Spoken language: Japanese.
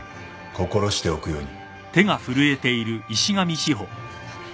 心しておくように。